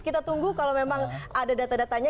kita tunggu kalau memang ada data datanya